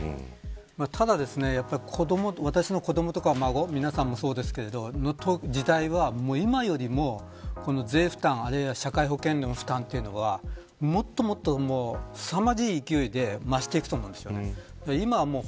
ただ私の子どもとか孫皆さんも、そうですけど今の時代は今よりも税負担あるいは社会保険料の負担はもっともっと、すさまじい勢いで増していくと思うんです。